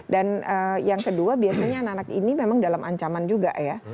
dan yang kedua biasanya anak anak ini memang dalam ancaman juga ya